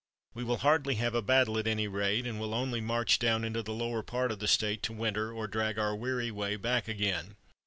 We will hardly have a battle at any rate, and will only march down into the lower part of the State to winter, or drag our weary way back again.